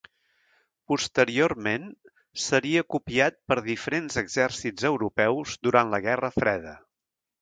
Posteriorment seria copiat per diferents exèrcits europeus durant la Guerra Freda.